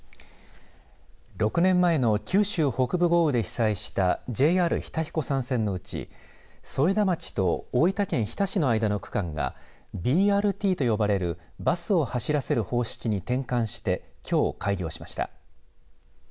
６年前の九州北部豪雨で被災したＪＲ日田彦山線のうち添田町と大分県日田市の間の区間がＢＲＴと呼ばれるバスを走らせる方式に転換してきょう開業しました。